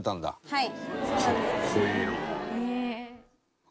はい。